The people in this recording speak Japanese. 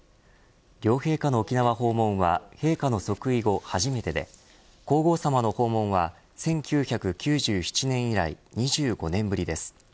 両陛下の沖縄訪問は陛下の即位後初めてで皇后さまの訪問は１９９７年以来２５年ぶりです。